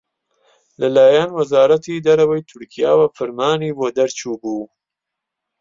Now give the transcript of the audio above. لەلایەن وەزارەتی دەرەوەی تورکیاوە فرمانی بۆ دەرچووبوو